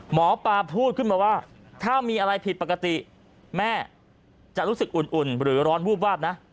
หมอปลาพูดขึ้นมาว่าถ้ามีอะไรผิดปกติแม่จะรู้สึกอุ่นหรือร้อนวูบวาบนะ